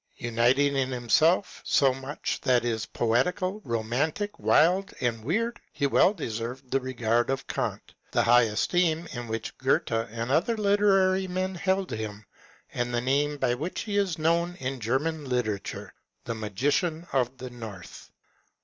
Uniting in himself so much that is poetical, romantic, wild, and weird, he well deserved the regard of Kant, the high esteem in which Goethe and other literary men held him, and the name by which he is known in German literature, The Magician of the North."